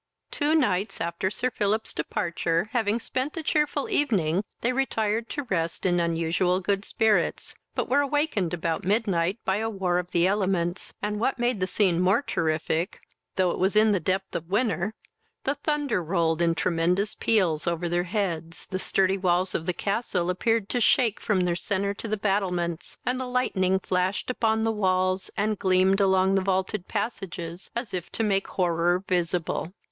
Two nights after Sir Philip's departure, having spent a cheerful evening, they retired to rest in unusual good spirits, but were awakened about midnight by a war of the elements, and what made the scene more terrific, though it was in the depth of winter, the thunder rolled in tremendous peals over their heads, the sturdy walls of the castle appeared to shake from their centre to the battlements, and the lightning flashed upon the walls, and gleamed along the vaulted passages, as if to make horror visible.